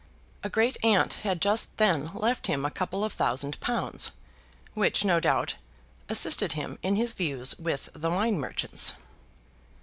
A great aunt had just then left him a couple of thousand pounds, which no doubt assisted him in his views with the wine merchants.